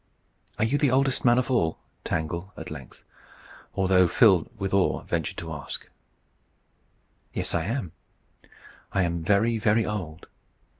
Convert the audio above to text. "Are you the oldest man of all?" Tangle at length, although filled with awe, ventured to ask. "Yes, I am. I am very, very old.